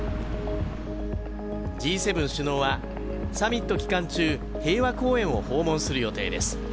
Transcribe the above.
Ｇ７首脳はサミット期間中、平和公園を訪問する予定です。